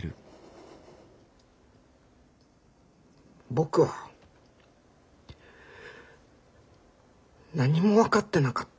僕は何も分かってなかった。